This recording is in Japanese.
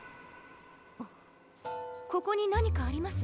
あここになにかあります。